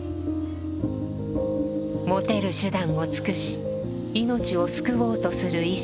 持てる手段を尽くし命を救おうとする医師。